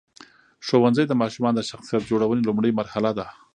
ښوونځی د ماشومانو د شخصیت جوړونې لومړۍ مرحله ده.